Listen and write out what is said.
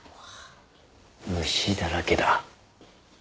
虫だらけだ。